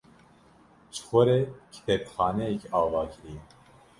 Ji xwe re kitêbxaneyek ava kiriye.